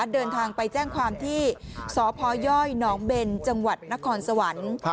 เดินทางไปแจ้งความที่สพยหนองเบนจังหวัดนครสวรรค์